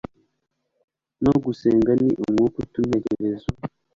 no gusenga ni umwuka utuma intekerezo,